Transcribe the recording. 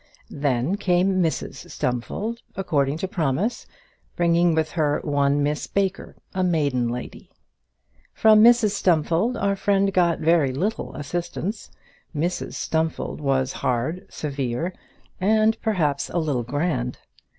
Then came Mrs Stumfold, according to promise, bringing with her one Miss Baker, a maiden lady. From Mrs Stumfold our friend got very little assistance. Mrs Stumfold was hard, severe, and perhaps a little grand.